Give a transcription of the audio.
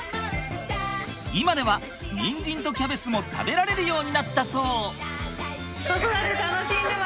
今ではニンジンとキャベツも食べられるようになったそう。